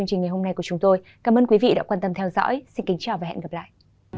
cảm ơn các bạn đã theo dõi và hẹn gặp lại